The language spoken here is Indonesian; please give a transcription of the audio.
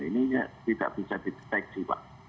ini tidak bisa dideteksi pak